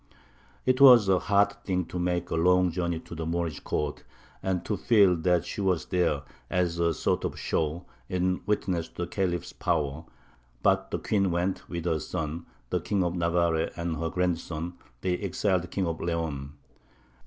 It was a hard thing to make the long journey to the Moorish Court, and to feel that she was there as a sort of show, in witness to the Khalif's power; but the Queen went, with her son, the King of Navarre, and her grandson, the exiled King of Leon.